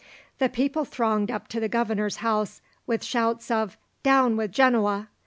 The people thronged up to the governor's house with shouts of "Down with Genoa!"